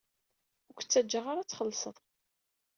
Ur k-ttaǧǧaɣ ara ad txellṣeḍ.